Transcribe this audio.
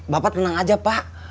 bapak tenang aja pak